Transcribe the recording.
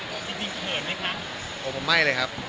บ๊วยมี่ฉีดบริษัทวันเฉียบ